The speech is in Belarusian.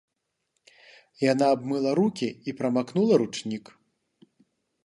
Яна абмыла рукі і прамакнула ручнік.